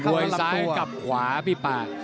ด้วยซ้ายกับขวาเอาพี่พลาด